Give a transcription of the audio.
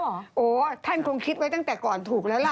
โอ้โหท่านคงคิดไว้ตั้งแต่ก่อนถูกแล้วล่ะ